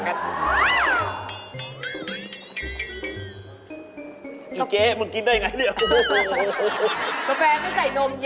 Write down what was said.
กระจกก็เป็นสีชมพู